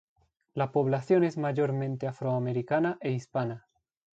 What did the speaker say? La población es mayormente afroamericana e hispana.